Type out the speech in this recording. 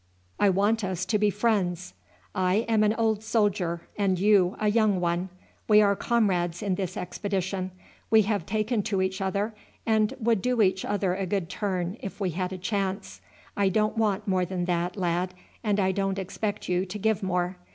I want us to be friends. I am an old soldier, and you a young one. We are comrades in this expedition. We have taken to each other, and would do each other a good turn if we had a chance. I don't want more than that, lad, and I don't expect you to give more.